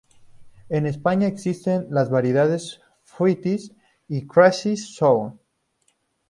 En España existen las variedades Fruits y Crazy Sour.